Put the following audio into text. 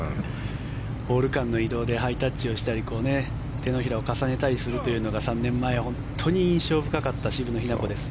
ホール間の移動でハイタッチをしたり手のひらを重ねたりするというのが３年前、非常に印象深かった渋野日向子です。